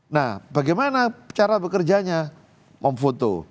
nah bagaimana cara bekerjanya memfoto